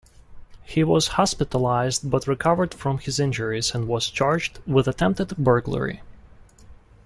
He was hospitalized but recovered from his injuries and was charged with attempted burglary.